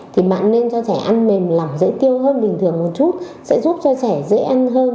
thì bạn nên cho trẻ ăn mềm lỏng dễ tiêu hơn bình thường một chút sẽ giúp cho trẻ dễ ăn hơn